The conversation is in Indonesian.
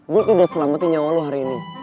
gua udah selamatin nyawa lu hari ini